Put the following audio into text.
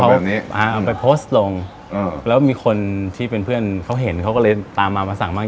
เอาแบบนี้อ่าเอาไปโพสต์ลงแล้วมีคนที่เป็นเพื่อนเขาเห็นเขาก็เลยตามมามาสั่งบ้าง